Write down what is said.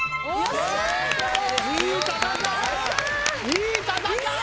いい戦い！